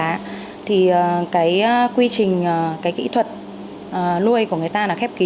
vì vậy thì cái quy trình cái kỹ thuật nuôi của người ta